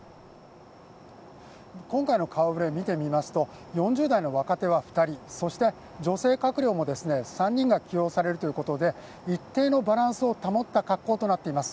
今回の顔ぶれを見てみますと、４０代の若手は２人、そして女性閣僚も３人が起用されるということで一定のバランスを保った格好となっています。